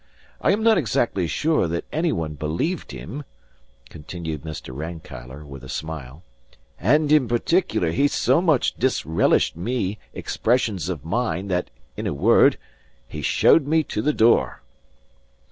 I am not exactly sure that any one believed him," continued Mr. Rankeillor with a smile; "and in particular he so much disrelished me expressions of mine that (in a word) he showed me to the door.